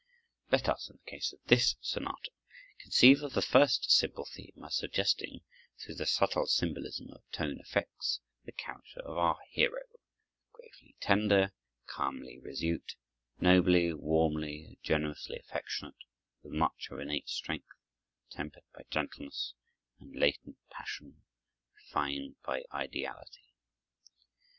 Let us, in the case of this sonata, conceive of the first simple theme as suggesting, through the subtle symbolism of tone effects, the character of our hero, gravely tender, calmly resolute, nobly, warmly, generously affectionate, with much of innate strength, tempered by gentleness and latent passion, refined by ideality.